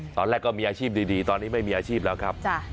ตอนแรกก็มีอาชีพดีตอนนี้ไม่มีอาชีพแล้วครับ